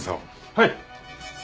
はい。